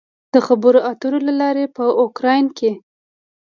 د خبرو اترو له لارې په اوکراین کې